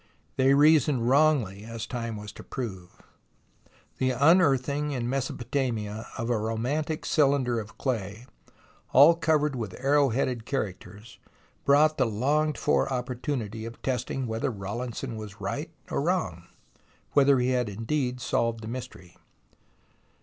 They reasoned wrongly, as time was to prove. The unearthing in Mesopotamia of a romantic cylinder of clay, all covered with arrow headed characters, brought the longed for opportunity of testing whether Rawlinson was right or wrong, whether he had indeed solved the mystery.